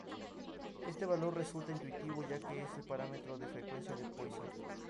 Este valor resulta intuitivo ya que es el parámetro de frecuencia de Poisson.